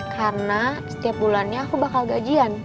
karena setiap bulannya aku bakal gajian